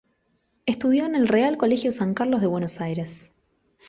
Estudió en el Real Colegio San Carlos de Buenos Aires.